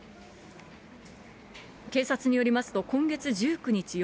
警察によりますと、今月１９日夜、